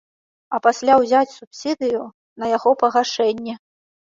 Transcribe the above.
А пасля ўзяць субсідыю на яго пагашэнне.